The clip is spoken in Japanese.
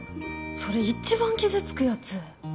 それ一番傷つくやつ！